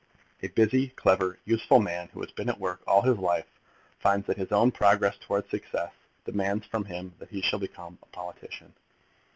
A busy, clever, useful man, who has been at work all his life, finds that his own progress towards success demands from him that he shall become a politician.